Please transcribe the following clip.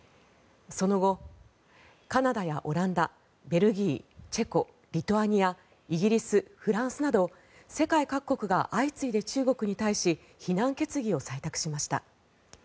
その後、カナダやオランダベルギー、チェコリトアニア、イギリスフランスなど世界各国が相次いで中国に対し非難決議を採択しました。